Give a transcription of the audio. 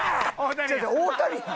違う違う大谷やん！